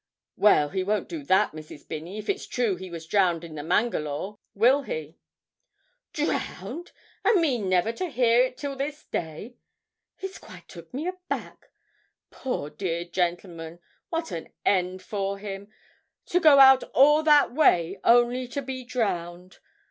'Well, he won't do that, Mrs. Binney, if it's true that he was drowned in the "Mangalore," will he?' 'Drowned! and me never to hear it till this day. It's quite took me aback. Poor dear gentleman, what an end for him to go out all that way only to be drowned!